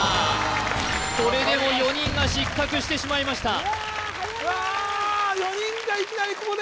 それでも４人が失格してしまいましたわー４人がいきなりここで！